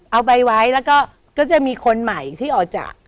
เอาไว้แล้วก็ก็จะมีคนใหม่ที่ออกจาก